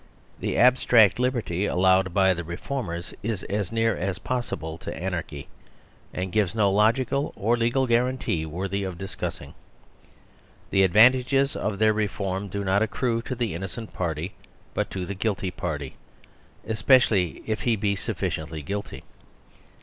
The abstract liberty allowed by the reformers is as near as possible to anarchy, and gives no logical or 127 128 The Superstition of Divorce legal guarantee worth discussing. The advan tages of their reform do not accrue to the in nocent party, but to the guilty party; espe cially if he be sufficiently guilty.